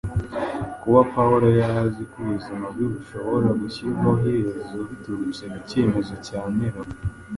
Kuba Pawulo yari azi ko ubuzima bwe bushobora gushyirwaho iherezo biturutse ku cyemezo cya Nero